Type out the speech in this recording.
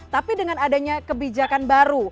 tapi dengan adanya kebijakan baru